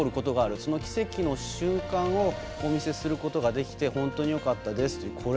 その奇跡の瞬間をお見せすることができて本当によかったですと。